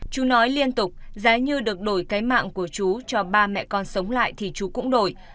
chú nói liên tục giá như được đổi cái mạng của chú cho ba mẹ con sống lại thì chú cũng đổi